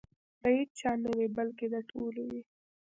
د هیچا نه وي بلکې د ټولو وي.